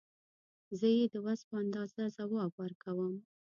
زه یې د وس په اندازه ځواب ورکوم.